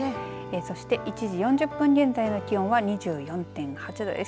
そして１時４０分現在の気温は２４．８度です。